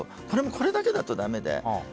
これも、これだけだとだめで。